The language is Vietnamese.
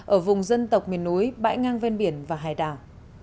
ở vùng dân tộc miền núi bãi ngang ven biển và hải đảo